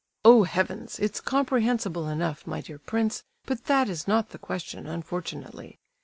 Oh, heavens! it's comprehensible enough, my dear prince, but that is not the question, unfortunately!